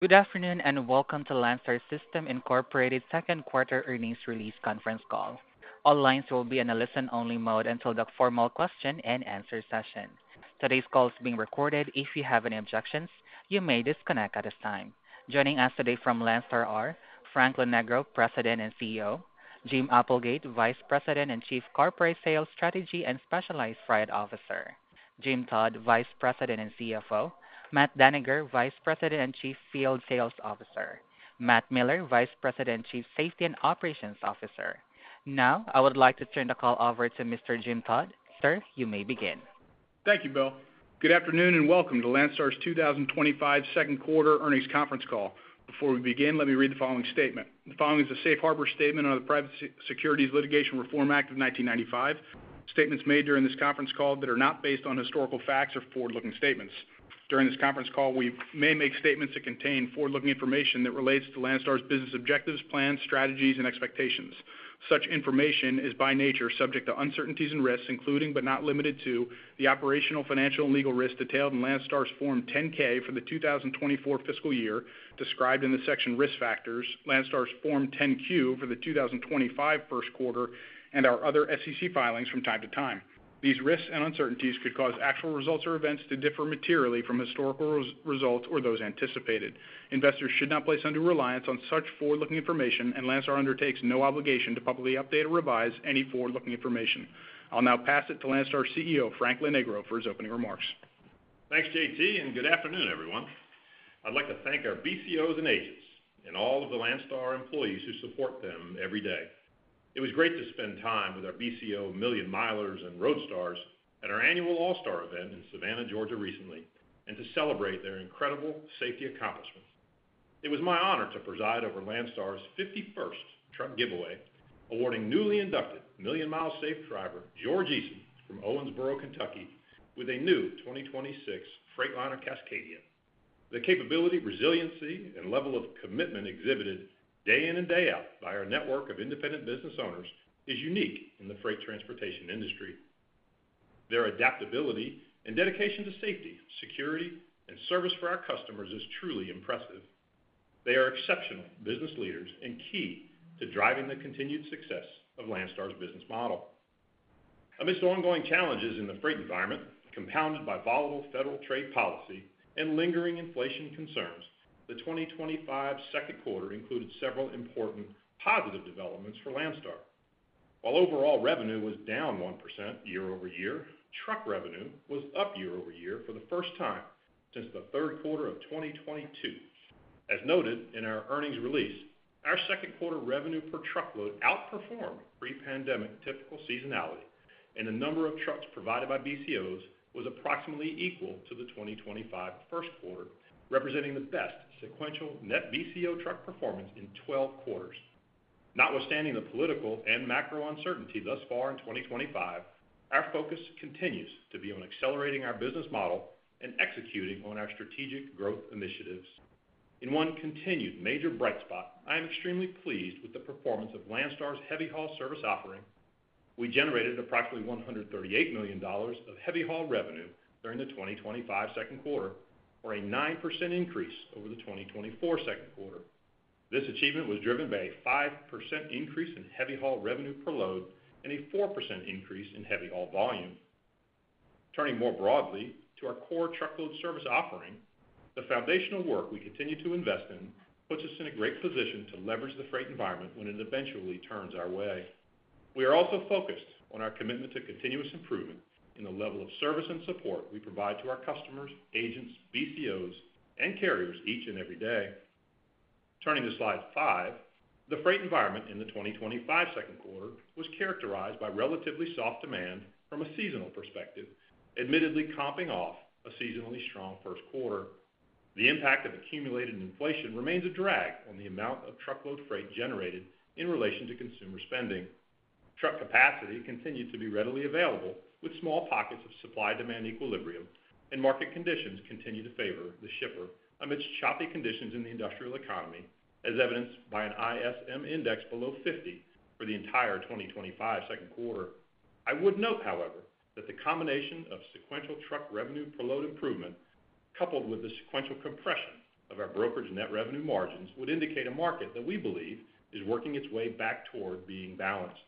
Good afternoon and welcome to Landstar System, Inc. 2nd Quarter Earnings Release Conference Call. All lines will be in a listen-only mode until the formal question and answer session. Today's call is being recorded. If you have any objections, you may disconnect at this time. Joining us today from Landstar are Frank Lonegro, President and CEO; Jim Applegate, Vice President and Chief Corporate Sales Strategy and Specialized Freight Officer; Jim Todd, Vice President and CFO; Matt Dannegger, Vice President and Chief Field Sales Officer; and Matt Miller, Vice President and Chief Safety and Operations Officer. Now I would like to turn the call over to Mr. Jim Todd. Sir, you may begin. Thank you, Bill. Good afternoon and welcome to Landstar's 2025 Second Quarter Earnings Conference Call. Before we begin, let me read the following statement. The following is a safe harbor statement under the Private Securities Litigation Reform Act of 1995. Statements made during this conference call that are not based on historical facts are forward-looking statements. During this conference call, we may make statements that contain forward-looking information that relates to Landstar's business objectives, plans, strategies, and expectations. Such information is by nature subject to uncertainties and risks, including but not limited to the operational, financial, and legal risks detailed in Landstar's Form 10-K for the 2024 fiscal year described in the section Risk Factors, Landstar's Form 10-Q for the 2025 first quarter, and our other SEC filings from time to time. These risks and uncertainties could cause actual results or events to differ materially from historical results or those anticipated. Investors should not place undue reliance on such forward-looking information, and Landstar undertakes no obligation to publicly update or revise any forward-looking information. I'll now pass it to Landstar CEO Frank Lonegro for his opening remarks. Thanks JT and good afternoon everyone. I'd like to thank our BCOs and agents and all of the Landstar employees who support them every day. It was great to spend time with our BCO Million Milers and Road Stars at our annual All-Star Event in Savannah, Georgia recently and to celebrate their incredible safety accomplishments. It was my honor to preside over Landstar's 51st truck giveaway awarding newly inducted Million Mile Safe driver George Eason from Owensboro, Kentucky with a new 2026 Freightliner Cascadia. The capability, resiliency, and level of commitment exhibited day in and day out by our network of independent business owners is unique in the freight transportation industry. Their adaptability and dedication to safety, security, and service for our customers is truly impressive. They are exceptional business leaders and key to driving the continued success of Landstar's business model. Amidst ongoing challenges in the freight environment, compounded by volatile federal trade policy and lingering inflation concerns, the 2025 second quarter included several important positive developments for Landstar. While overall revenue was down 1% year over year, truck revenue was up year over year for the first time since the third quarter of 2022. As noted in our earnings release, our second quarter revenue per truckload outperformed pre-pandemic typical seasonality and the number of trucks provided by BCOs and was approximately equal to the 2025 first quarter, representing the best sequential net BCO truck performance in 12 quarters. Notwithstanding the political and macro-economic uncertainty thus far in 2025, our focus continues to be on accelerating our business model and executing on our strategic growth initiatives. In one continued major bright spot, I am extremely pleased with the performance of Landstar's heavy haul service offering. We generated approximately $138 million of heavy haul revenue during the 2025 second quarter, or a 9% increase over the 2024 second quarter. This achievement was driven by a 5% increase in heavy haul revenue per load and a 4% increase in heavy haul volume. Turning more broadly to our core truckload service offering, the foundational work we continue to invest in puts us in a great position to leverage the freight environment when it eventually turns our way. We are also focused on our commitment to continuous improvement in the level of service and support we provide to our customers, agents, BCOs, and carriers each and every day. Turning to slide fivr, the freight environment in the 2025 second quarter was characterized by relatively soft demand from a seasonal perspective. Admittedly, comping off a seasonally strong first quarter, the impact of accumulated inflation remains a drag on the amount of truckload freight generated in relation to consumer spending. Truck capacity continued to be readily available, with small pockets of supply-demand equilibrium, and market conditions continue to favor the shipper amidst choppy conditions in the industrial economy, as evidenced by an ISM index below 50 for the entire 2025 second quarter. I would note, however, that the combination of sequential truck revenue per load improvement, coupled with the sequential compression of our brokerage net revenue margins, would indicate a market that we believe is working its way back toward being balanced.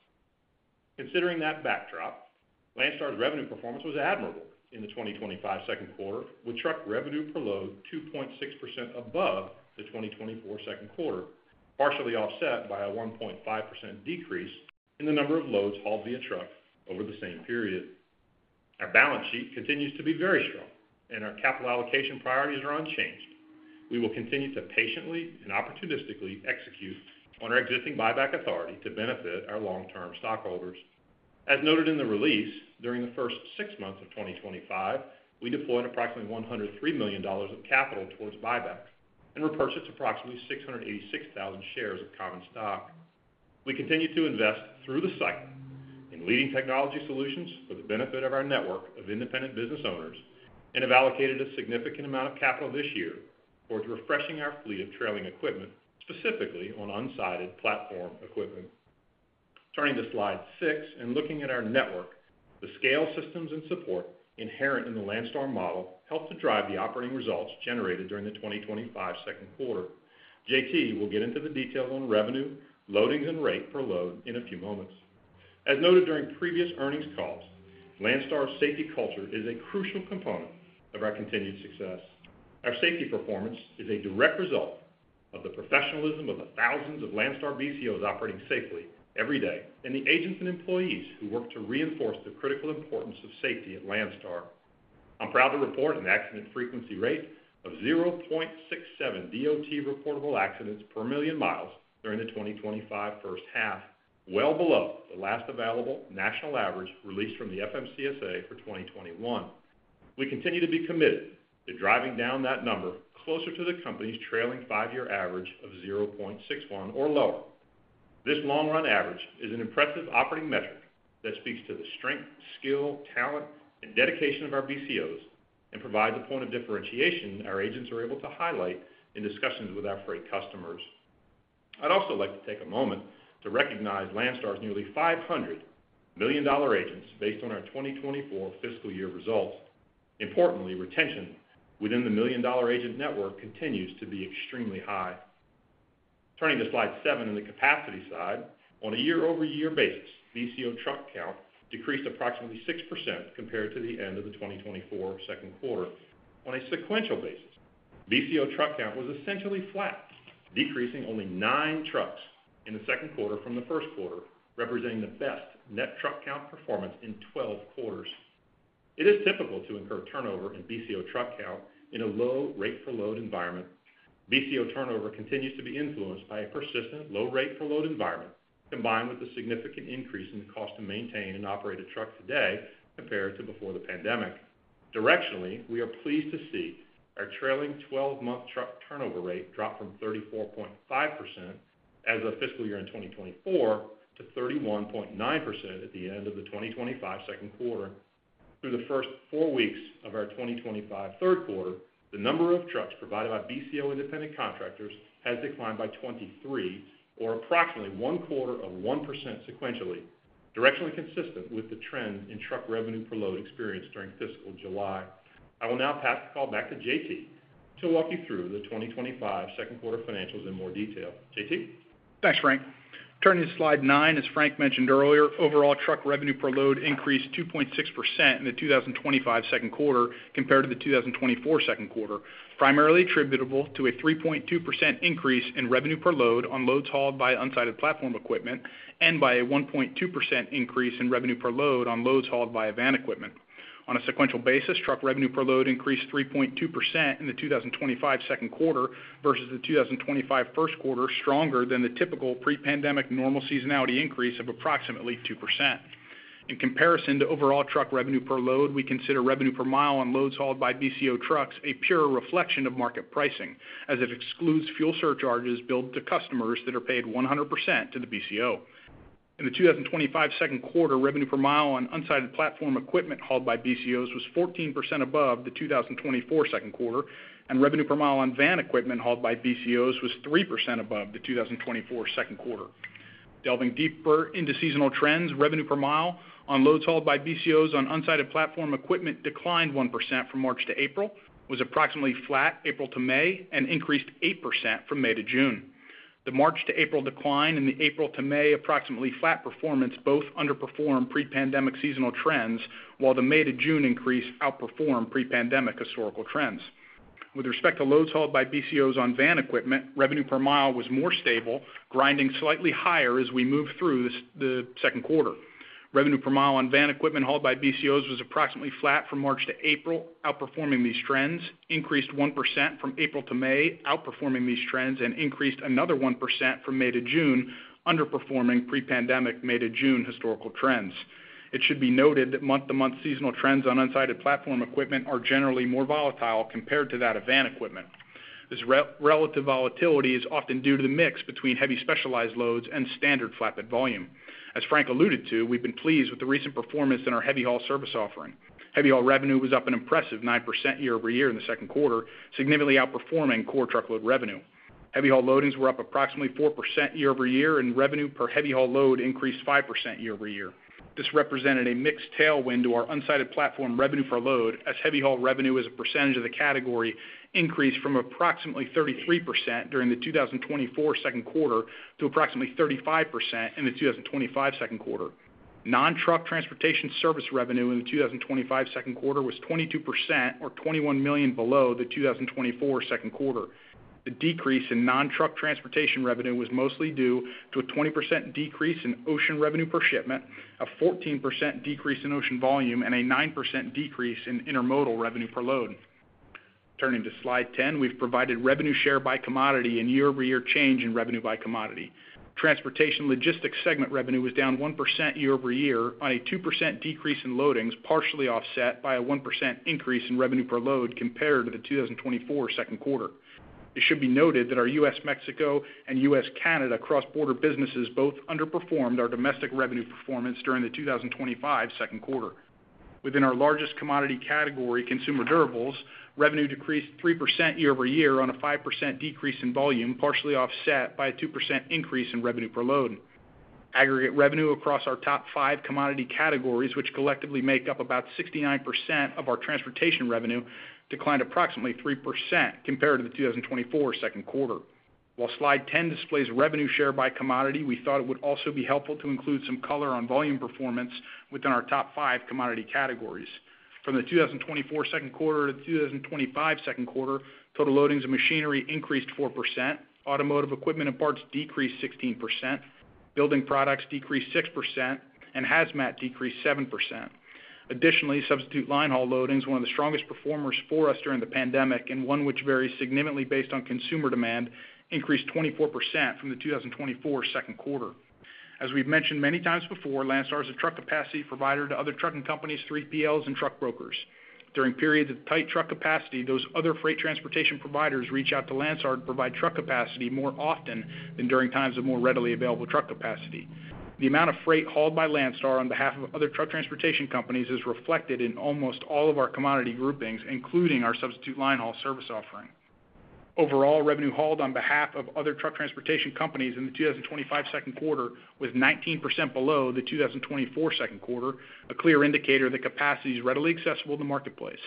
Considering that backdrop, Landstar's revenue performance was admirable in the 2025 second quarter, with truck revenue per load 2.6% above the 2024 second quarter, partially offset by a 1.5% decrease in the number of loads hauled via truck over the same period. Our balance sheet continues to be very strong, and our capital allocation priorities are unchanged. We will continue to patiently and opportunistically execute on our existing buyback authority to benefit our long-term stockholders. As noted in the release, during the first six months of 2025, we deployed approximately $103 million of capital towards buyback and repurchased approximately 686,000 shares of common stock. We continue to invest through the cycle in leading technology solutions for the business benefit of our network of independent business owners and have allocated a significant amount of capital this year towards refreshing our fleet of trailing equipment, specifically on unsighted platform equipment. Turning to slide six and looking at our network, the scale, systems, and support inherent in the Landstar model help to drive the operating results generated during the 2025 second quarter. JT will get into the details on revenue, loadings, and rate per load in a few moments. As noted during previous earnings calls, Landstar's safety culture is a crucial component of our continued success. Our safety performance is a direct result of the professionalism of the thousands of Landstar BCOs operating safely every day and the agents and employees who work to reinforce the critical importance of safety at Landstar. I'm proud to report an accident frequency rate of 0.67 DOT reportable accidents per million miles during the 2025 first half, well below the last available national average released from the FMCSA for 2021. We continue to be committed to driving down that number closer to the company's trailing five-year average of 0.61 or lower. This long-run average is an impressive operating metric that speaks to the strength, skill, talent, and dedication of our BCOs and provides a point of differentiation our agents are able to highlight in discussions with our freight customers. I'd also like to take a moment to recognize Landstar's nearly $500 million agents based on our 2024 fiscal year results. Importantly, retention within the million dollar agent network continues to be extremely high. Turning to slide seven on the capacity side. On a year-over-year basis, BCO truck count decreased approximately 6% compared to the end of the 2024 second quarter. On a sequential basis, BCO truck count was essentially flat, decreasing only 9 trucks in the second quarter from the first quarter, representing the best net truck count performance in 12 quarters. It is typical to incur turnover in BCO truck count in a low rate per load environment. BCO turnover continues to be influenced by a persistent low rate per load environment combined with the significant increase in the cost to maintain and operate a truck today compared to before the pandemic. Directionally, we are pleased to see our trailing 12-month truck turnover rate drop from 34.5% as of fiscal year-end 2024 to 31.9% at the end of the 2025 second quarter. Through the first four weeks of our 2025 third quarter, the number of trucks provided by BCO independent contractors has declined by 23 or approximately 1/4 of 1% sequentially, directionally consistent with the trend in truck revenue per load experienced during fiscal July. I will now pass the call back to JT to walk you through the 2025 second quarter financials in more detail. Thanks Frank. Turning to slide nine, as Frank mentioned earlier, overall truck revenue per load increased 2.6% in the 2025 second quarter compared to the 2024 second quarter, primarily attributable to a 3.2% increase in revenue per load on loads hauled by unsighted platform equipment and by a 1.2% increase in revenue per load on loads hauled via van equipment. On a sequential basis, truck revenue per load increased 3.2% in the 2025 second quarter versus the 2025 first quarter, stronger than the typical pre-pandemic normal seasonality increase of approximately 2%. In comparison to overall truck revenue per load, we consider revenue per mile on loads hauled by BCO trucks a pure reflection of market pricing as it excludes fuel surcharges billed to customers that are paid 100% to the BCO. In the 2025 second quarter, revenue per mile on unsighted platform equipment hauled by BCOs was 14% above the 2024 second quarter, and revenue per mile on van equipment hauled by BCOs was 3% above the 2024 second quarter. Delving deeper into seasonal trends, revenue per mile on loads hauled by BCOs on unsighted platform equipment declined 1% from March to April, was approximately flat April to May, and increased 8% from May to June. The March to April decline and the April to May approximately flat performance both underperformed pre-pandemic seasonal trends, while the May to June increase outperformed pre-pandemic historical trends. With respect to loads hauled by BCOs on van equipment, revenue per mile was more stable, grinding slightly higher as we move through the second quarter. Revenue per mile on van equipment hauled by BCOs was approximately flat from March to April, outperforming these trends, increased 1% from April to May, outperforming these trends, and increased another 1% from May to June, underperforming pre-pandemic May to June historical trends. It should be noted that month-to-month seasonal trends on unsighted platform equipment are generally more volatile compared to that of van equipment. This relative volatility is often due to the mix between heavy specialized loads and standard flatbed volume. As Frank alluded to, we've been pleased with the recent performance in our heavy haul service offering. Heavy haul revenue was up an impressive 9% year over year in the second quarter, significantly outperforming core truckload revenue. Heavy haul loadings were up approximately 4% year over year and revenue per heavy haul load increased 5% year over year. This represented a mixed tailwind to our unsighted platform revenue per load as heavy haul revenue as a percentage of the category increased from approximately 33% during the 2024 second quarter to approximately 35% in the 2025 second quarter. Non-truck transportation service revenue in the 2025 second quarter was 22% or $21 million below the 2024 second quarter. The decrease in non-truck transportation revenue was mostly due to a 20% decrease in ocean revenue per shipment, a 14% decrease in ocean volume, and a 9% decrease in intermodal revenue per load. Turning to slide 10, we've provided revenue share by commodity and year-over-year change in revenue by commodity. Transportation logistics segment revenue was down 1% year-over-year on a 2% decrease in loadings, partially offset by a 1% increase in revenue per load compared to the 2024 second quarter. It should be noted that our U.S.-Mexico and U.S.-Canada cross-border businesses both underperformed our domestic revenue performance during the 2025 second quarter. Within our largest commodity category, consumer durables revenue decreased 3% year-over-year on a 5% decrease in volume, partially offset by a 2% increase in revenue per load. Aggregate revenue across our top five commodity categories, which collectively make up about 69% of our transportation revenue, declined approximately 3% compared to the 2024 second quarter. While slide 10 displays revenue share by commodity, we thought it would also be helpful to include some color on volume performance within our top five commodity categories. From the 2024 second quarter to the 2025 second quarter, total loadings in machinery increased 4%, automotive equipment and parts decreased 16%, building products decreased 6%, and hazmat decreased 7%. Additionally, substitute line haul loadings, one of the strongest performers for us during the pandemic and one which varies significantly based on consumer demand, increased 24% from the 2024 second quarter. As we've mentioned many times before, Landstar is a truck capacity provider to other trucking companies, 3PLs, and truck brokers. During periods of tight truck capacity, those other freight transportation providers reach out to Landstar and provide truck capacity more often than during times of more readily available truck capacity. The amount of freight hauled by Landstar on behalf of other truck transportation companies is reflected in almost all of our commodity groupings, including our substitute line haul service offering. Overall revenue hauled on behalf of other truck transportation companies in the 2025 second quarter was 19% below the 2024 second quarter, a clear indicator that capacity is readily accessible in the marketplace.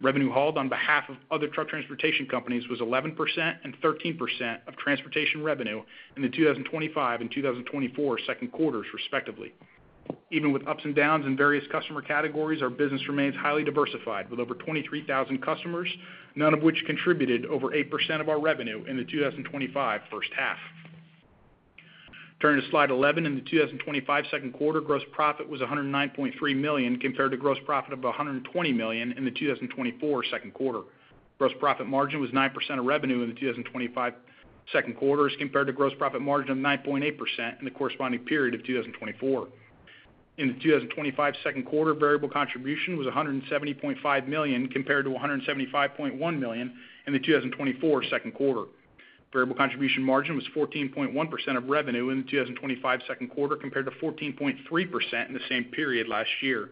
Revenue hauled on behalf of other truck transportation companies was 11% and 13% of transportation revenue in the 2025 and 2024 second quarters, respectively. Even with ups and downs in various customer categories, our business remains highly diversified with over 23,000 customers, none of which contributed over 8% of our revenue in the 2025 first half. Turning to slide 11, in the 2025 second quarter, gross profit was $109.3 million compared to gross profit of $120 million in the 2024 second quarter. Gross profit margin was 9% of revenue in the 2025 second quarter compared to gross profit margin of 9.8% in the corresponding period of 2024. In the 2025 second quarter, variable contribution was $170.5 million compared to $175.1 million in the 2024 second quarter. Variable contribution margin was 14.1% of revenue in the 2025 second quarter compared to 14.3% in the same period last year.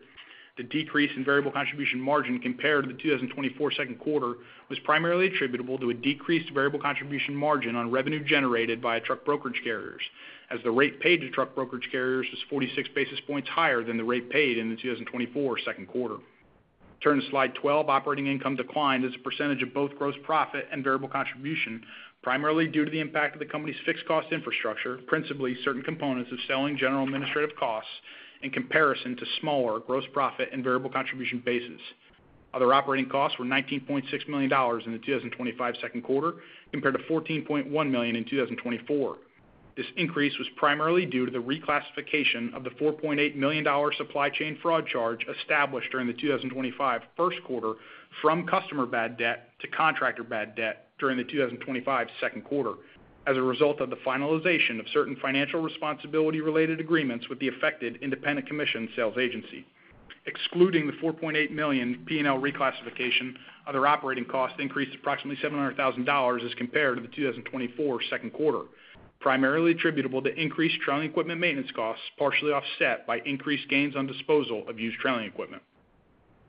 The decrease in variable contribution margin compared to the 2024 second quarter was primarily attributable to a decreased variable contribution margin on revenue generated by truck brokerage carriers as the rate paid to truck brokerage carriers was 46 basis points higher than the rate paid in the 2024 second quarter. Turn to slide 12. Operating income declined as a percentage of both gross profit and variable contribution primarily due to the impact of the company's fixed cost infrastructure, principally certain components of selling, general, and administrative costs in comparison to a smaller gross profit and variable contribution basis. Other operating costs were $19.6 million in the 2025 second quarter compared to $14.1 million in 2024. This increase was primarily due to the reclassification of the $4.8 million supply chain fraud charge established during the 2025 first quarter from customer bad debt to contractor bad debt during the 2025 second quarter as a result of the finalization of certain financial responsibility related agreements with the affected independent commission sales agencies. Excluding the $4.8 million P&L reclassification. Other operating costs increased approximately $700,000 as compared to the 2024 second quarter, primarily attributable to increased trailing equipment maintenance costs, partially offset by increased gains on disposal of used trailing equipment.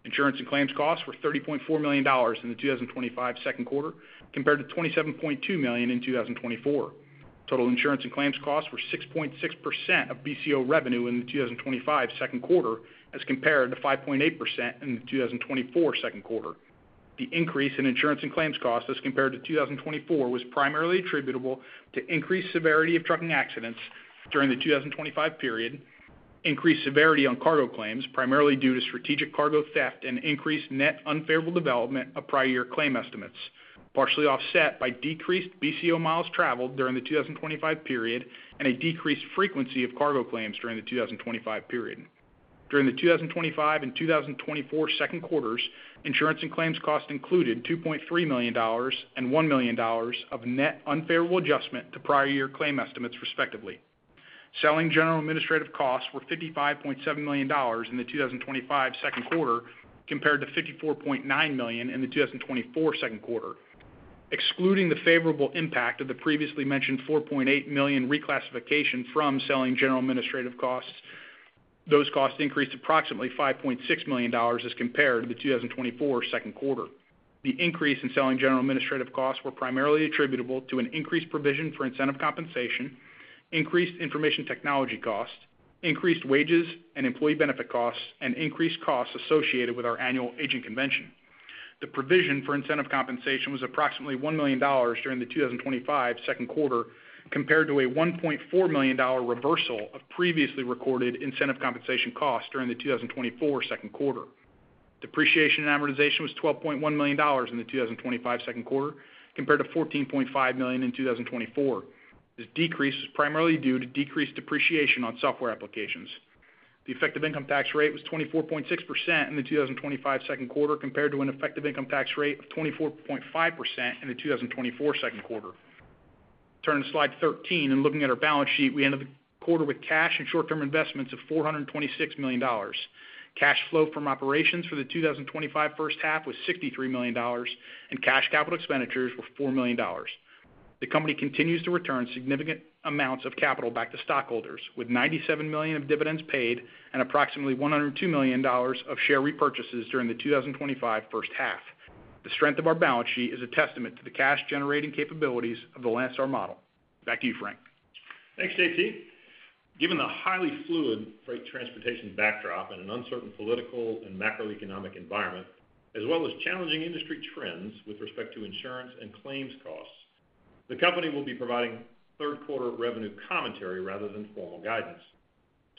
Insurance and claims costs were $30.4 million in the 2025 second quarter compared to $27.2 million in 2024. Total insurance and claims costs were 6.6% of BCO revenue in the 2025 second quarter as compared to 5.8% in the 2024 second quarter. The increase in insurance and claims costs as compared to 2024 was primarily attributable to increased severity of trucking accidents during the 2025 period, increased severity on cargo claims, primarily due to strategic cargo theft, and increased net unfavorable development of prior year claim estimates, partially offset by decreased BCO miles traveled during the 2025 period and a decreased frequency of cargo claims during the 2025 period. During the 2025 and 2024 second quarters, insurance and claims costs included $2.3 million and $1 million of net unfavorable adjustment to prior year claim estimates, respectively. Selling, general and administrative costs were $55.7 million in the 2025 second quarter compared to $54.9 million in the 2024 second quarter. Excluding the favorable impact of the previously mentioned $4.8 million reclassification from selling, general and administrative costs, those costs increased approximately $5.6 million as compared to the 2024 second quarter. The increase in selling, general and administrative costs was primarily attributable to an increased provision for incentive compensation, increased information technology cost, increased wages and employee benefit costs, and increased costs associated with our annual Agent convention. The provision for incentive compensation was approximately $1 million during the 2025 second quarter compared to a $1.4 million reversal of previously recorded incentive compensation costs during the 2024 second quarter. Depreciation and amortization was $12.1 million in the 2025 second quarter compared to $14.5 million in 2024. This decrease was primarily due to decreased depreciation on software applications. The effective income tax rate was 24.6% in the 2025 second quarter compared to an effective income tax rate of 24.5% in the 2024 second quarter. Turning to slide 13 and looking at our balance sheet, we ended the quarter with cash and short-term investments of $426 million. Cash flow from operations for the 2025 first half was $63 million and cash capital expenditures were $4 million. The company continues to return significant amounts of capital back to stockholders with $97 million of dividends paid and approximately $102 million of share repurchases during the 2025 first half. The strength of our balance sheet is a testament to the cash generating capabilities of the Landstar model. Back to you, Frank. Thanks, JT. Given the highly fluid freight transportation backdrop and an uncertain political and macro-economic environment, as well as challenging industry trends with respect to insurance and claims costs, the company will be providing third quarter revenue commentary rather than formal guidance.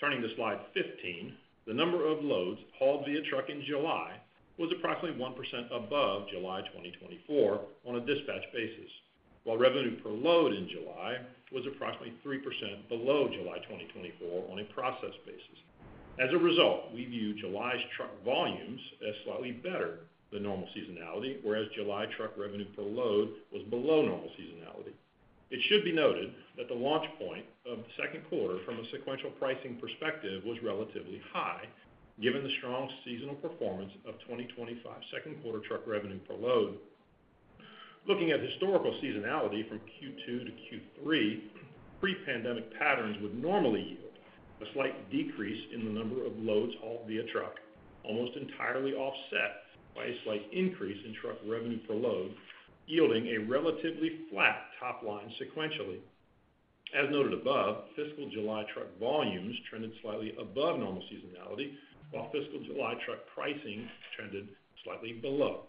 Turning to slide 15, the number of loads hauled via truck in July was approximately 1% above July 2024 on a dispatch basis, while revenue per load in July was approximately 3% below July 2024 on a process basis. As a result, we view July's truck volumes as slightly better than normal seasonality, whereas July truck revenue per load was below normal seasonality. It should be noted that the launch point of the second quarter from a sequential pricing perspective was relatively high given the strong seasonal performance of 2025 second quarter truck revenue per load. Looking at historical seasonality from Q2 to Q3, pre-pandemic patterns would normally yield a slight decrease in the number of loads hauled via truck, almost entirely offset by a slight increase in truck revenue per load, yielding a relatively flat top line sequentially. As noted above, fiscal July truck volumes trended slightly above normal seasonality while fiscal July truck pricing trended slightly below.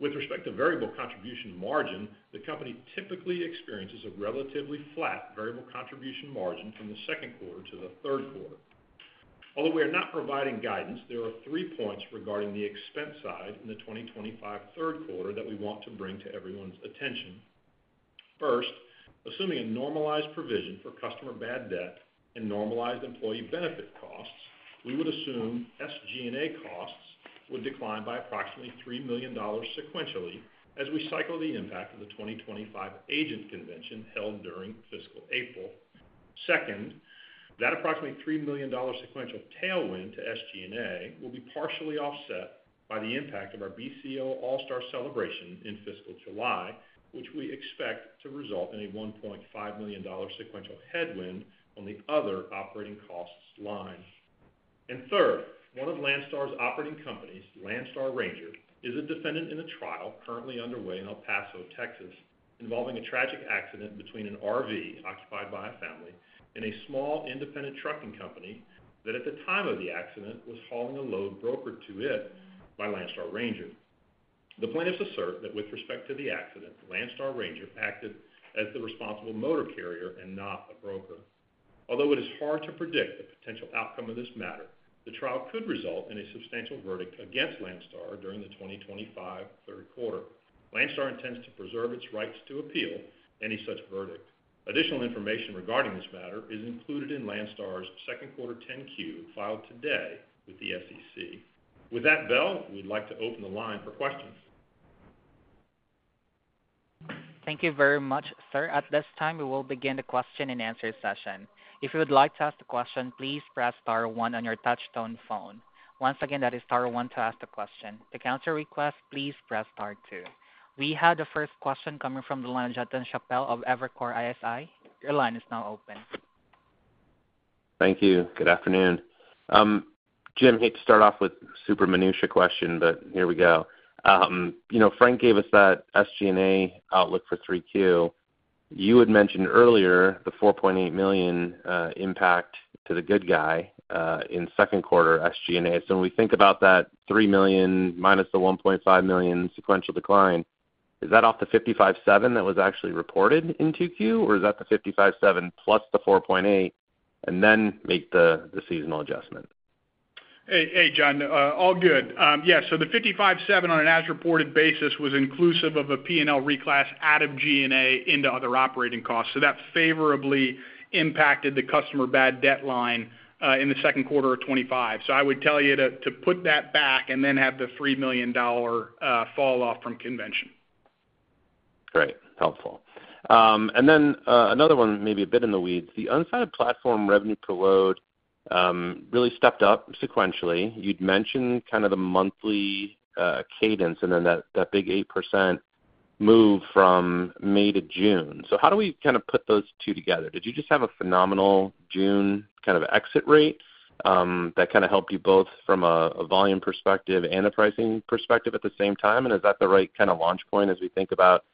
With respect to variable contribution margin, the company typically experiences a relatively flat variable contribution margin from the second quarter to the third quarter. Although we are not providing guidance, there are three points regarding the expense side in the 2025 third quarter that we want to bring to everyone's attention. First, assuming a normalized provision for customer bad debt and normalized employee benefit costs, we would assume SG&A costs would decline by approximately $3 million sequentially as we cycle the impact of the 2025 agent convention held during fiscal April 2. That approximately $3 million sequential tailwind to SG&A will be partially offset by the impact of our BCO All-Star Celebration in fiscal July, which we expect to result in a $1.5 million sequential headwind on the other operating costs line. Third, one of Landstar's operating companies, Landstar Ranger, is a defendant in a trial currently underway in El Paso, Texas involving a tragic accident between an RV occupied by a family and a small independent trucking company that at the time of the accident was hauling a load brokered to it by Landstar Ranger. The plaintiffs assert that with respect to the accident, Landstar Ranger acted as the responsible motor carrier and not a broker. Although it is hard to predict the potential outcome of this matter, the trial could result in a substantial verdict against Landstar during the 2025 third quarter. Landstar intends to preserve its rights to appeal any such verdict. Additional information regarding this matter is included in Landstar's second quarter 10-Q filed today with the SEC. With that bell, we'd like to open the line for questions. Thank you very much, sir. At this time, we will begin the question and answer session. If you would like to ask a question, please press star one on your touchtone phone. Once again, that is star one to ask a question. To cancel your request, please press star two. We have the first question coming from the line Jonathan Chappell of Evercore ISI. Your line is now open. Thank you. Good afternoon, Jim. Hate to start off with super minutia question, but here we go. You know, Frank gave us that SG&A outlook for 3Q. You had mentioned earlier the $4.8 million impact to the good guy in second quarter SG&A. So when we think about that $3 million minus the $1.5 million sequential decline, is that off the $55.7 million that was actually. Reported in 2Q, or is that the $55.7 million plus the $4.8 million and then make the seasonal adjustment? Hey John, all good? Yes. The $55.7 million on an as reported basis was inclusive of a P&L reclass out of G&A into other operating costs. That favorably impacted the customer bad debt line in second quarter of 2025. I would tell you to put that back and then have the $3 million fall off from convention. Great. Helpful. Another one maybe a bit in the weeds. The unsighted platform revenue per load really stepped up sequentially. You'd mentioned kind of the monthly cadence and then that big 8% move from May to June. How do we kind of put those two together? Did you just have a phenomenal June kind of exit rate that helped you both from a volume perspective and a pricing perspective at the same time? Is that the right kind of launch point as we think about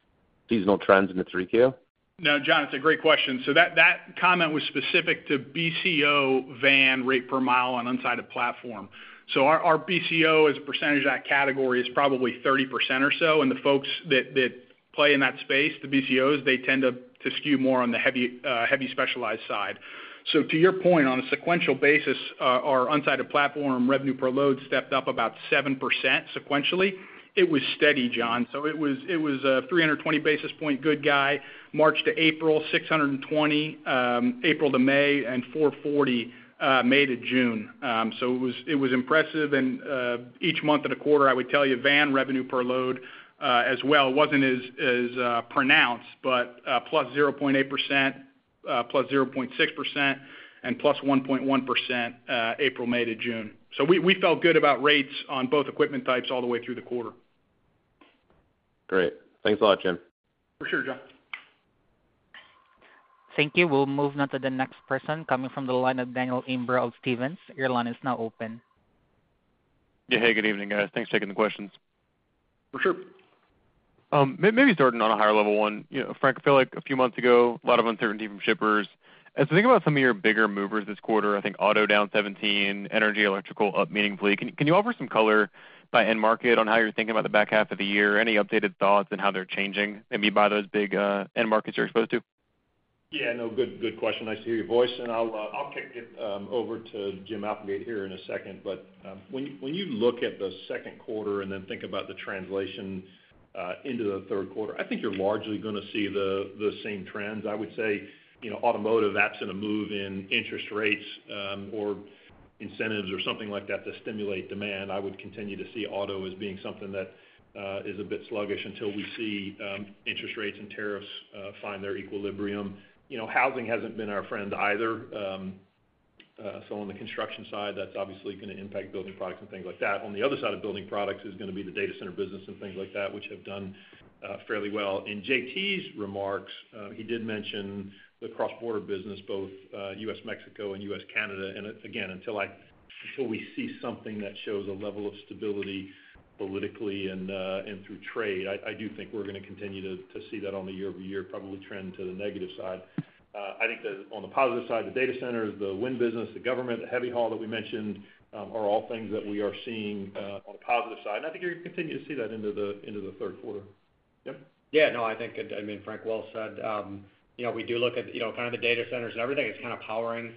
seasonal trends in the 3Q? No John, it's a great question. That comment was specific to BCO van rate per mile on unsighted platform. Our BCO as a percentage of that category is probably 30% or so. The folks that play in that space, the BCOs, they tend to skew more on the heavy specialized side. To your point, on a sequential basis our unsighted platform revenue per load stepped up about 7% sequentially. It was steady, John. It was a 320 basis point good guy March to April, 620 April to May, and 440 basis points May to June. It was impressive. Each month of the quarter, I would tell you van revenue per load as well wasn't as pronounced but +0.8%, +0.6%, and +1.1% April, May to June. We felt good about rates on both equipment types all the way through the quarter. Great. Thanks a lot, Jim. For sure, John. Thank you. We'll move on to the next person coming from the line of Daniel Imbro of Stephens. Your line is now open. Hey good evening thanks for taking the questions. Sure. Maybe starting on a higher level one, Frank, I feel like a few months ago a lot of uncertainty from shippers as we think about some of your bigger movers. This quarter, I think auto down 17%, energy electrical up meaningfully. Can you offer some color by end market on how you're thinking about the back half of the year? Any updated thoughts and how they're changing maybe by those big end markets you're exposed to? Yeah, no, good question. Nice to hear your voice and I'll kick it over to Jim Applegate here in a second. When you look at the second quarter and then think about the translation into the third quarter, I think you're largely going to see the same trends. I would say, you know, automotive, absent a move in interest rates or incentives or something like that to stimulate demand, I would continue to see auto as being something that is a bit sluggish until we see interest rates and tariffs find their equilibrium. Housing hasn't been our friend either. On the construction side that's obviously going to impact building products and things like that. On the other side of building products is going to be the data center business and things like that which have done fairly well in JT's remarks. He did mention the cross-border business, both U.S.-Mexico and U.S.-Canada, and again until I, until we see something that shows a level of stability politically and through trade, I do think we're going to continue to see that on a year-over-year probably trend to the negative side. I think that on the positive side the data centers, the wind business, the government, the heavy haul that we mentioned are all things that we are seeing on the positive side and I think you're continuing to see that into the third quarter. Yeah, no, I think, I mean, Frank, well said. You know, we do look at, you know, kind of the data centers and everything. It's kind of powering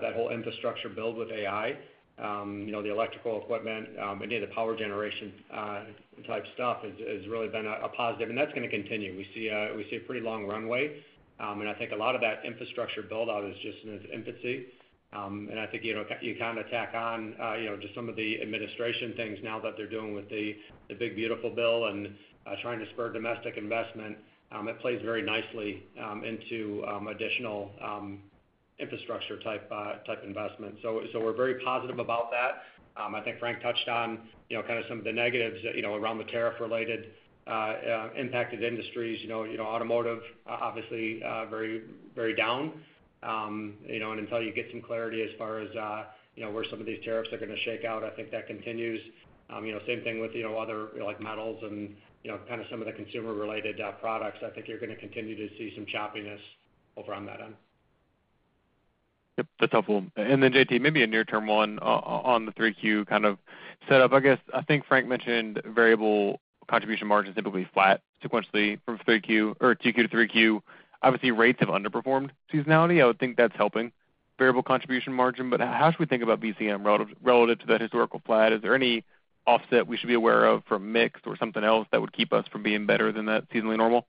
that whole infrastructure build with AI. You know, the electrical equipment, any of the power generation type stuff has really been a positive, and that's going to continue. We see a pretty long runway, and I think a lot of that infrastructure build out is just in its infancy. I think you kind of tack on just some of the administration things now that they're doing with the big beautiful bill and trying to spur domestic investment. It plays very nicely into additional infrastructure type investment. We're very positive about that. I think Frank touched on kind of some of the negatives around the tariff-related impacted industries. Automotive obviously very down. Until you get some clarity as far as where some of these tariffs are going to shake out, I think that continues, same thing with other metals and kind of some of the consumer-related products. I think you're going to continue to see some choppiness over on that end. That's helpful. JT, maybe a near term one on the 3Q kind of setup, I guess. I think Frank mentioned variable contribution margins typically flat sequentially from 2Q to 3Q. Obviously, rates have underperformed seasonality. I would think that's helping variable contribution margin. How should we think about BCM relative to that historical flat? Is there any offset we should be aware of for mix or something else that would keep us from being better than that seasonally normal?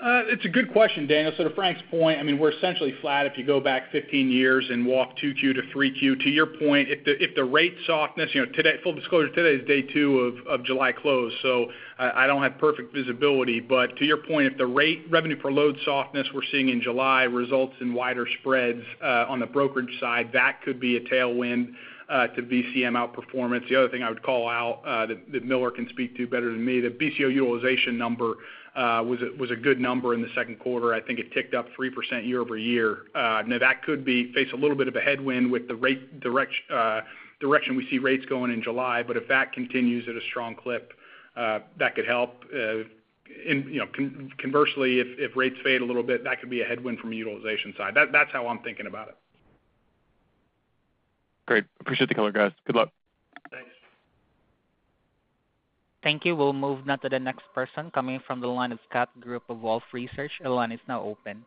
It's a good question, Daniel. To Frank's point, I mean we're essentially flat. If you go back 15 years and walk 2Q to 3Q, to your point, if the rate softness today—full disclosure, today is day two of July close—I don't have perfect visibility. To your point, if the rate revenue per load softness we're seeing in July results in wider spreads on the brokerage side, that could be a tailwind to BCM outperformance. The other thing I would call out that Miller can speak to better than me, the BCO utilization number was a good number in the second quarter. I think it ticked up 3% year over year. Now, that could face a little bit of a headwind with the direction we see rates going in July. If that continues at a strong clip, that could help. Conversely, if rates fade a little bit, that could be a headwind from the utilization side. That's how I'm thinking about it. Great. Appreciate the color, guys. Good luck. Thank you. We'll move now to the next person coming from the line of Scott Group of Wolfe Research. The line is now open.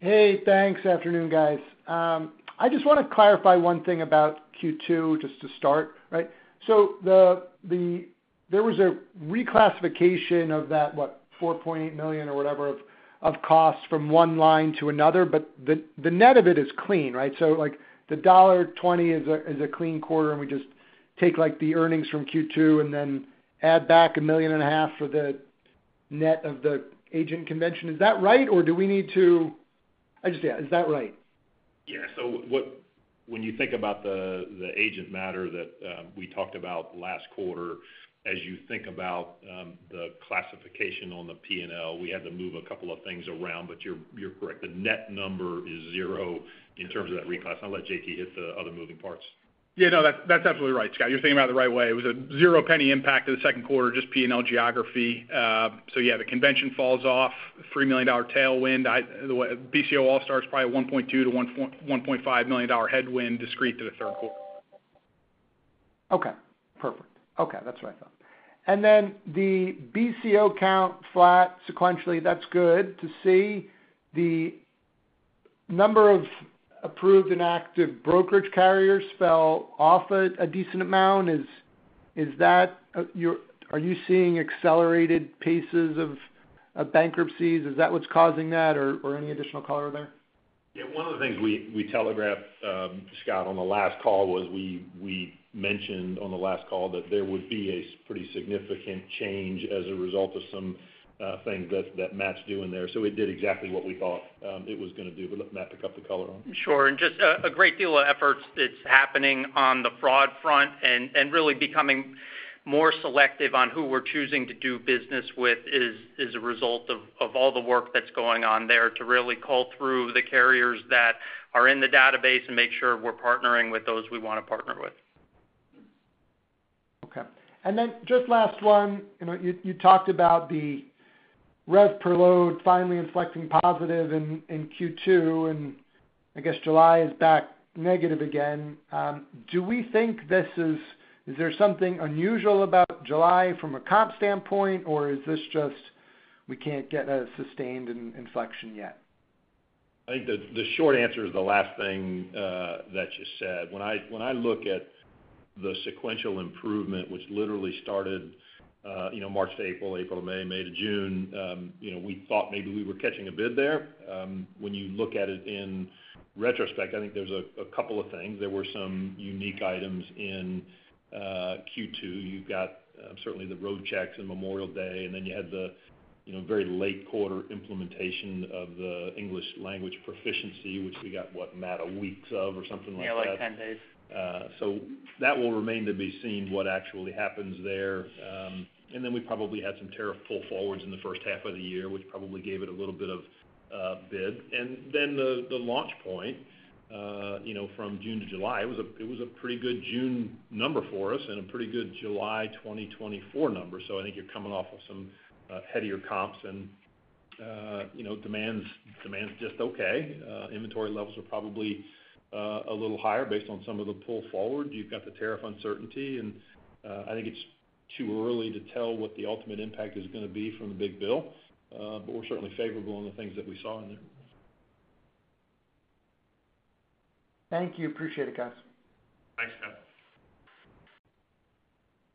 Hey, thanks. Afternoon, guys. I just want to clarify one thing about Q2 just to start, right? There was a reclassification of that, what, $4.8 million or whatever of costs from one line to another, but the net of it is clean. Right. The $1.20 is a clean quarter, and we just take the earnings from Q2 and then add back $1.5 million for the net of the agent convention. Is that right? Do we need to? Is that right? Yeah. When you think about the agent matter that we talked about last quarter, as you think about the classification on the P&L, we had to move a couple of things around, but you're correct, the net number is zero in terms of that reclass. I'll let JT hit the other moving parts. Yeah, no, that's absolutely right, Scott. You're thinking about it the right way. It was a $0.00 impact in the second quarter, just P&L geography. The Convention falls off, $3 million tailwind. BCO All-Star is probably $1.2 million-$1.5 million headwind, discrete to the third quarter. Okay, perfect. Okay, that's what I thought. The BCO count flat sequentially, that's good to see. The number of approved and active brokerage carriers fell off a decent amount. Are you seeing accelerated paces of bankruptcies? Is that what's causing that or any additional color there? One of the things we telegraphed, Scott, on the last call was we mentioned on the last call that there would be a pretty significant change as a result of some things that Matt's doing there. It did exactly what we thought it was going to do. Let Matt pick up the color on it. A great deal of efforts that's happening on the fraud front and really becoming more selective on who we're choosing to do business with is a result of all the work that's going on there to really cull through the carriers that are in the database and make sure we're partnering with those we want to partner with. Okay. Just last one, you talked about the revenue per load finally inflecting positive in Q2 and I guess July is back negative again. Do we think this is, is there something unusual about July from a comp standpoint or is this just we can't get a sustained inflection yet? I think the short answer is the last thing that you said. When I look at the sequential improvement, which literally started March to April, April to May, May to June, we thought maybe we were catching a bid there. When you look at it in retrospect, I think there's a couple of things. There were some unique items in Q2. You've got certainly the road checks and Memorial Day, and then you had the very late quarter implementation of the English language proficiency, which we got what, maybe weeks of or something like that. Yeah, like 10 days. That will remain to be seen what actually happens there. We probably had some tariff pull forwards in the first half of the year, which probably gave it a little bit of bid. The launch point, you know, from June to July, it was a pretty good June number for us and a pretty good July 2024 number. I think you're coming off of some headier comps and, you know, demand is just okay. Inventory levels are probably a little higher based on some of the pull forward. You've got the tariff uncertainty, and I think it's too early to tell what the ultimate impact is going to be from the Big Bill, but we're certainly favorable on the things that we saw in there. Thank you. Appreciate it, guys.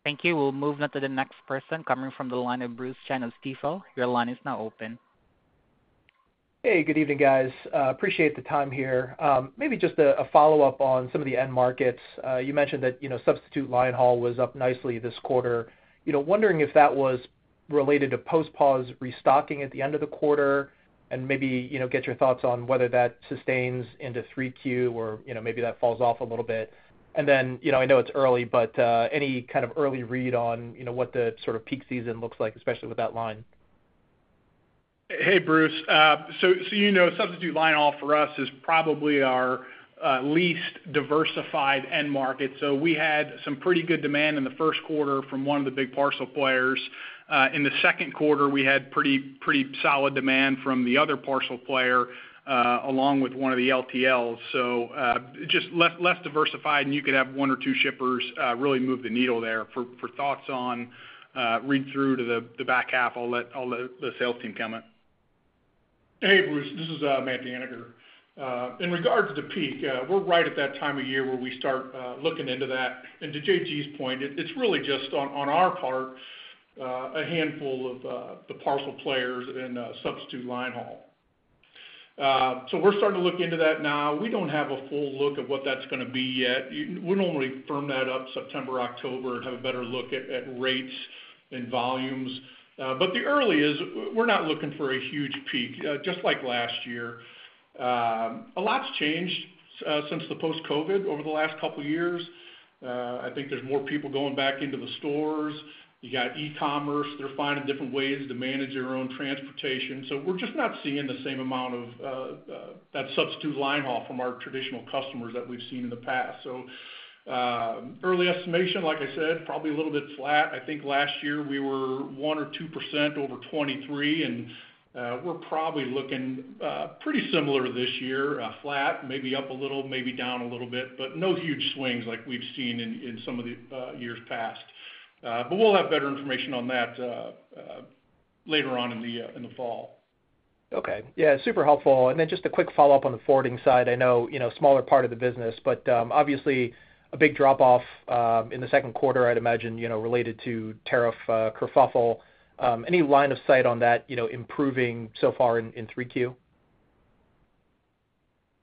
Thank you. We'll move now to the next person coming from the line of Bruce Chan of Stifel. Your line is now open. Hey, good evening, guys. Appreciate the time here. Maybe just a follow-up on some. Of the end markets. You mentioned that substitute linehaul was up nicely this quarter. Wondering if that was related to post pause restocking at the end of the quarter, and maybe get your thoughts on whether that sustains into 3Q or maybe that falls off a little bit. I know it's early, but any kind of early read on what the sort of peak season looks like, especially with that line. Hey Bruce. Substitute line haul for us is probably our least diversified end market. We had some pretty good demand in the first quarter from one of the big parcel players. In the second quarter we had pretty solid demand from the other parcel player along with one of the LTLs. It is just less diversified and you could have one or two shippers really move the needle there. For thoughts on read through to the back half, I'll let the sales team comment. Hey Bruce, this is Matt Dannegger. In regards to peak, we're right at that time of year where we start looking into that and to JG's point it's really just on our part a handful of the parcel players and substitute line haul. We're starting to look into that now. We don't have a full look at what that's going to be yet. We normally firm that up September, October and have a better look at rates and volumes, but the early is we're not looking for a huge peak just like last year. A lot's changed since the post-COVID over the last couple years. I think there's more people going back into the stores. You got e-commerce. They're finding different ways to manage their own transportation so we're just not seeing the same amount of that substitute line haul from our traditional customers that we've seen in the past. Early estimation, like I said, probably a little bit flat. I think last year we were 1% or 2% over 2023 and we're probably looking pretty similar this year. Flat, maybe up a little, maybe down a little bit, but no huge swings like we've seen in some of the years past. We'll have better information on that later on in the fall. Okay, yes, super helpful. Just a quick follow up on the forwarding side. I know it's a smaller part of the business, but obviously a big drop off in the second quarter. I'd imagine related to tariff kerfuffle. Any line of sight on that improving so far in 3Q?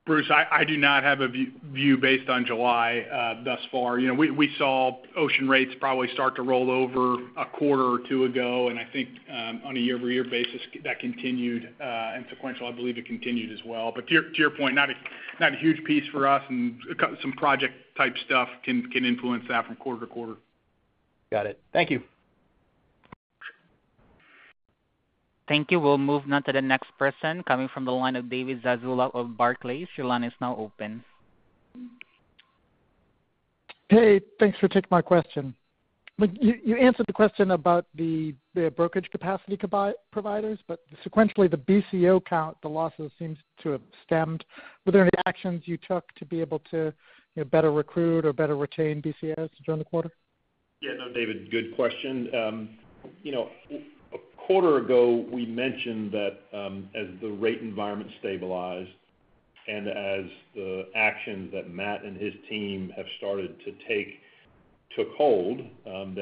Bruce, I do not have a view based on July thus far. We saw ocean rates probably start to roll over a quarter or two ago, and I think on a year over year basis that continued and sequential. I believe it continued as well. To your point, not a huge piece for us, and some project type stuff can influence that from quarter to quarter. Got it. Thank you. Thank you. We'll move now to the next person coming from the line of David Zazula of Barclays. The line is now open. Hey, thanks for taking my question. You answered the question about the brokerage capacity providers, but sequentially the BCO count, the losses seem to have stemmed. Were there any actions you took to be able to better recruit or better retain BCOs during the quarter? Yeah, no David, good question. A quarter ago we mentioned that as the rate environment stabilized and as the actions that Matt and his team have started to take took hold,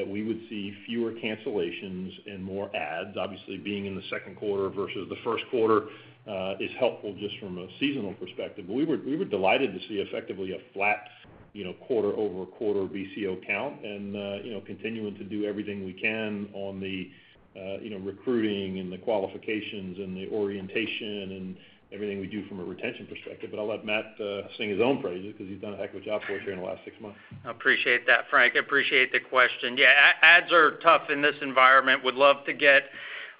we would see fewer cancellations and more adds. Obviously, being in the second quarter versus the first quarter is helpful just from a seasonal perspective. We were delighted to see effectively a flat quarter over quarter BCO count and continuing to do everything we can on the recruiting and the qualifications and the orientation and everything we do from a retention perspective. I'll let Matt sing his own praises because he's done a heck of a job for us here in the last six months. Appreciate that, Frank. Appreciate the question. Yeah, ads are tough in this environment. Would love to get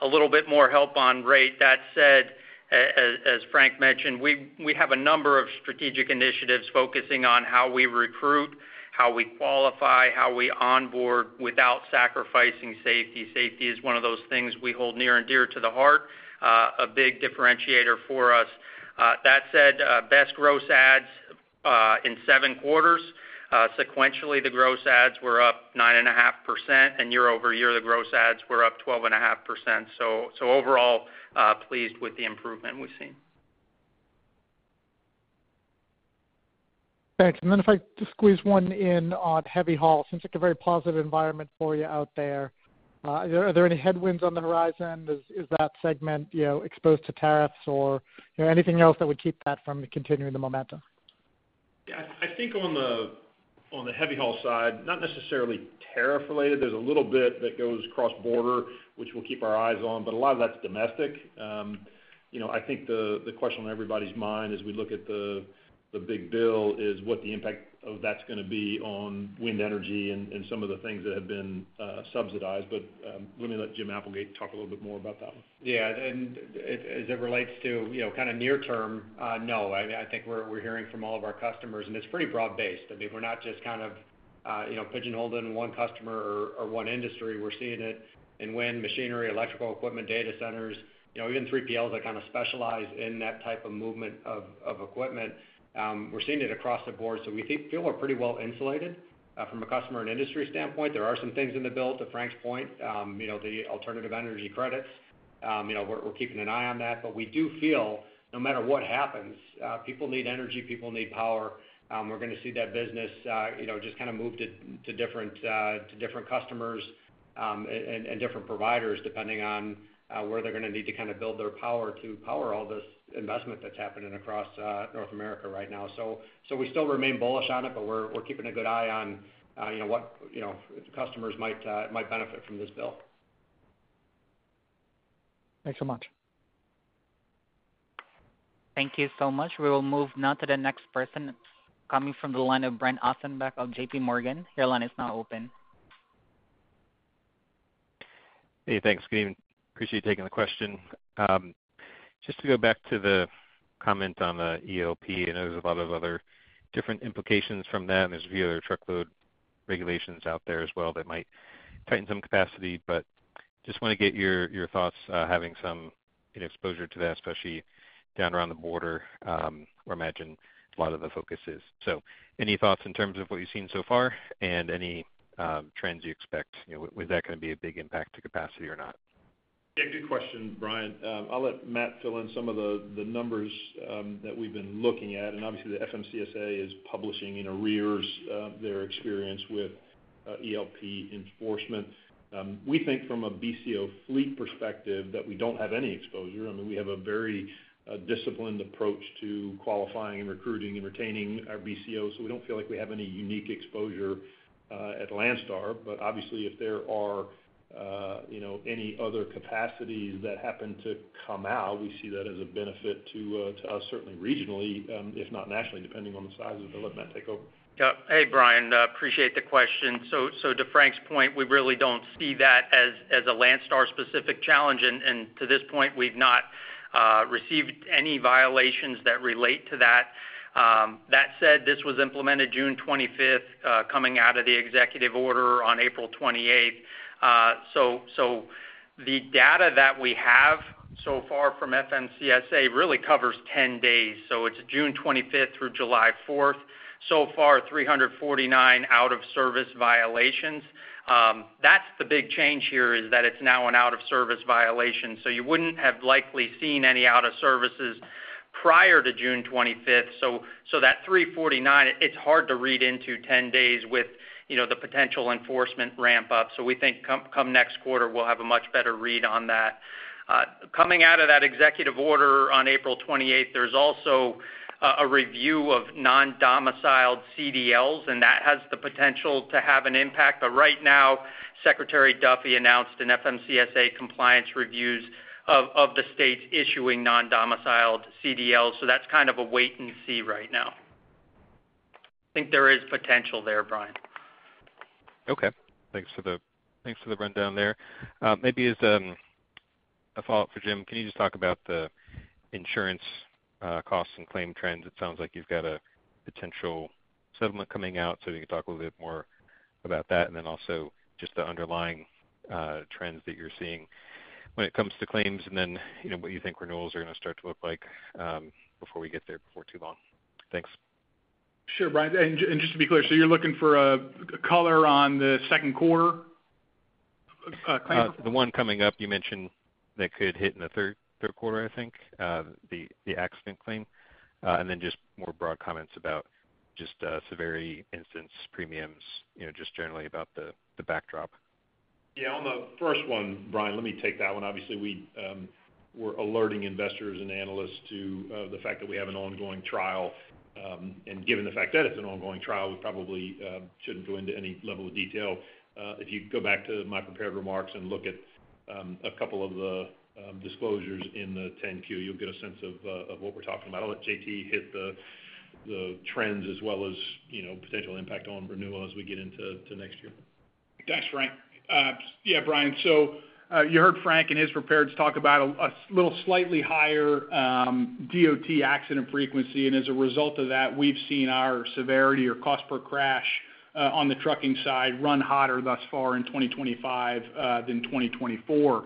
a little bit more help on rate. That said, as Frank mentioned, we have a number of strategic initiatives focusing on. How we recruit, how we qualify, how. We onboard without sacrificing safety. Safety is one of those things we hold near and dear to the heart, a big differentiator for us. That said, best gross adds in seven quarters. Sequentially, the gross adds were up 9.5% and year over year the gross adds were up 12.5%. Overall, pleased with the improvement we've seen. Thanks. If I squeeze one in on heavy haul, it seems like a very positive environment for you out there. Are there any headwinds on the horizon? Is that segment exposed to tariffs or anything else that would keep that from continuing the momentum? I think on the heavy haul side, not necessarily tariff related. There's a little bit that goes cross border, which we'll keep our eyes on, but a lot of that's domestic. I think the question on everybody's mind as we look at the big bill is what the impact of that's going to be on wind energy and some of the things that have been subsidized. Let me let Jim Applegate talk a little bit more about that. As it relates to kind of near term, no, I think we're hearing from all of our customers and it's pretty broad based. We're not just kind of pigeonholed in one customer or one industry. We're seeing it in wind machinery, electrical equipment, data centers, even 3PLs that kind of specialize in that type of movement of equipment. We're seeing it across the board. We feel we're pretty well insulated from a customer and industry standpoint. There are some things in the bill to Frank's point, the alternative energy credits, we're keeping an eye on that. We do feel no matter what happens, people need energy, people need power. We're going to see that business just kind of move to different customers and different providers depending on where they're going to need to build their power to power all this investment that's happening across North America right now. So. We still remain bullish on it, but we're keeping a good eye on what customers might benefit from this bill. Thanks so much. Thank you so much. We will move now to the next person coming from the line of Brian Ossenbeck of JPMorgan. Your line is now open. Hey, thanks. Appreciate you taking the question. Just to go back to the comment on the ELP. I know there's a lot of other different implications from that, and there's a few other truckload regulations out there as well that might tighten some capacity. I just want to get your thoughts having some exposure to that, especially down around the border where I imagine a lot of the focus is. Any thoughts in terms of what you've seen so far and any trends you expect, is that going to be a big impact to capacity or not? Good question, Brian. I'll let Matt fill in some of the numbers that we've been looking at. Obviously, the FMCSA is publishing in arrears their experience with ELP enforcement. We think from a BCO fleet perspective that we don't have any exposure. We have a very disciplined approach to qualifying, recruiting, and retaining our BCO. We don't feel like we have any unique exposure at Landstar. If there are any other capacities that happen to come out, we see that as a benefit to us, certainly regionally if not nationally depending on the size of the Let Matt take over. Hey Brian, appreciate the question. To Frank's point, we really don't see that as a Landstar specific challenge and to this point we've not received any violations that relate to that. That said, this was implemented June 25th coming out of the executive order on April 28th. The data that we have so far from FMCSA really covers 10 days, June 25th through July 4th. So far, 349 out of service violations. The big change here is that it's now an out of service violation. You wouldn't have likely seen any out of services prior to June 25th. That 349, it's hard to read into 10 days with the potential enforcement ramp up. We think come next quarter we'll have a much better read on that. Coming out of that executive order on April 28th, there's also a review of non-domiciled CDLs and that has the potential to have an impact. Right now Secretary Duffy announced an FMCSA compliance review of the states issuing non-domiciled CDLs. That's kind of a wait and see right now. I think there is potential there, Brian. Okay, thanks for the rundown there. Maybe as a follow up for Jim, can you just talk about the insurance costs and claim trends? It sounds like you've got a potential settlement coming out, so you can talk a little bit more about that. Also, just the underlying trends that you're seeing when it comes to claims and then what you think renewals are going to start to look like before we get there, before too long. Sure, Brian. Just to be clear, you're looking for color on the second quarter. Claim, the one coming up you mentioned that could hit in the third quarter. I think the accident claim, and then just more broad comments about just severity, instance premiums, just generally about the backdrop. Yeah, on the first one, Brian, let me take that one. Obviously, we were alerting investors and analysts to the fact that we have an ongoing trial. Given the fact that it's an ongoing trial, we probably shouldn't go into any level of detail. If you go back to my prepared remarks and look at a couple of the disclosures in the 10Q, you'll get a sense of what we're talking about. I'll let JT hit the trends as well as potential impact on renewal as we get into next year. Thanks, Frank. Yeah, Brian. You heard Frank in his preparedness talk about a little slightly higher DOT accident frequency. As a result of that, we've seen our severity or cost per crash on the trucking side run hotter thus far in 2025 than 2024.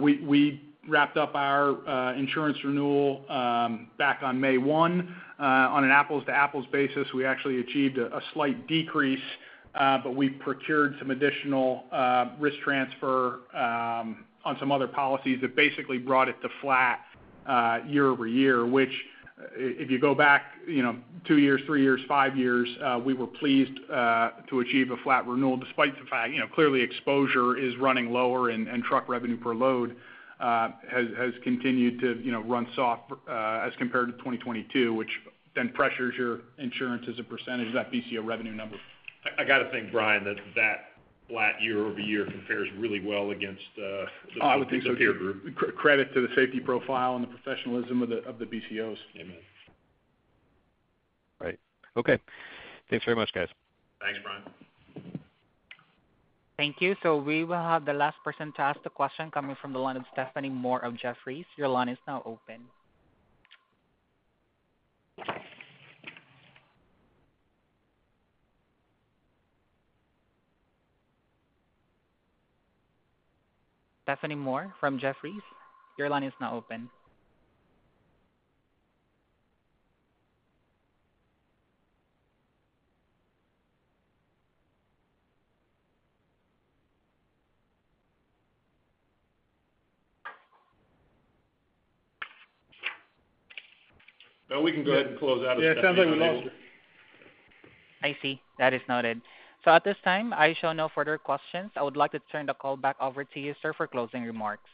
We wrapped up our insurance renewal back on May 1. On an apples to apples basis, we actually achieved a slight decrease, but we procured some additional risk transfer on some other policies that basically brought it to flat year over year, which, if you go back two years, three years, five years, we were pleased to achieve a flat renewal. Despite the fact clearly exposure is running lower and truck revenue for loads has continued to run soft as compared to 2022, which then pressures your insurance as a percentage of that BCO revenue number. I gotta think, Brian, that that's flat. Year over year compares really well against peer group, credit to the safety profile and the professionalism of the BCOs. Amen. Right, okay, thanks very much, guys. Thanks, Brian. Thank you. We will have the last person to ask the question coming from the line of Stephanie Moore of Jefferies. Your line is now open. Stephanie Moore from Jefferies, your line is now open. No, we can go ahead and close out. I see. That is noted. At this time, I show no further questions. I would like to turn the call back over to you, sir, for closing remarks.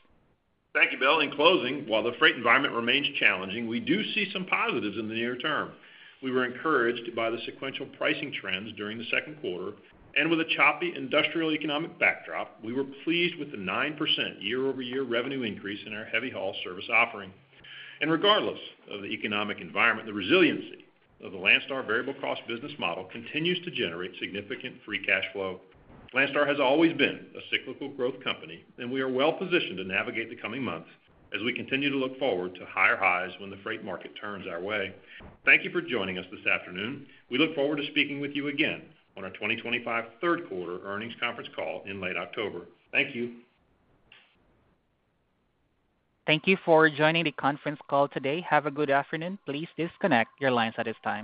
Thank you, Bill. In closing, while the freight environment remains challenging, we do see some positives in the near term. We were encouraged by the sequential pricing trends during the second quarter, and with a choppy industrial economic backdrop, we were pleased with the 9% year-over-year revenue increase in our heavy haul service offering. Regardless of the economic environment, the resiliency of the Landstar variable cost business model continues to generate significant free cash flow. Landstar has always been a cyclical growth company, and we are well positioned to navigate the coming months as we continue to look forward to higher highs when the freight market turns our way. Thank you for joining us this afternoon. We look forward to speaking with you again on our 2025 third quarter earnings conference call in late October. Thank you. Thank you for joining the conference call today. Have a good afternoon. Please disconnect your lines at this time.